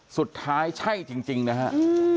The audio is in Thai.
สุดท้ายใช่จริงนะครับ